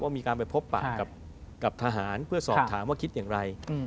มีการไปพบปะกับทหารเพื่อสอบถามว่าคิดอย่างไร